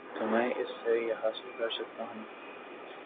تو میں اس سے یہ حاصل کر سکتا ہوں۔